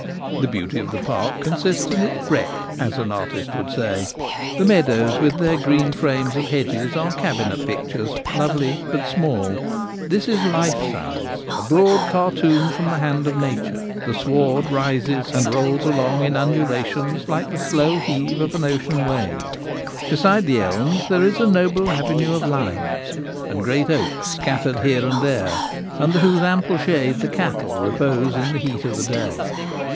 The beauty of the park consists in its ' breadth ' as an artist would say — the meadows with their green frames of hedges are cabinet pictures, lovely, but small ; this is life size, a broad cartoon from the hand of Nature* The sward rises and rolls along in undulations like the slow heave of an ocean wave. Besides the elms there is a noble avenue of limes, and great oaks scattered here and there, under whose ample shade the cattle repose in the heat of the day.